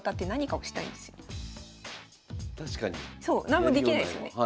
なんもできないですよね。